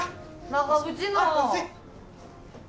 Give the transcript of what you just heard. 長渕の。